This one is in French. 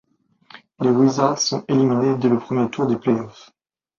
Les Wizards sont éliminés dès le premier tour des play-offs.